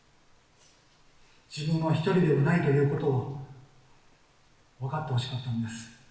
自分は一人ではないということを分かってほしかったんです。